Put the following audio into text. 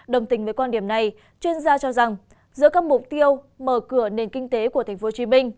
đồng tình với quan điểm này chuyên gia cho rằng giữa các mục tiêu mở cửa nền kinh tế của tp hcm